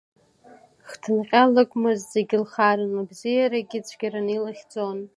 Хҭынҟьа лыгмызт, зегьы лхаран, лыбзиагь цәгьараны илыхьӡон.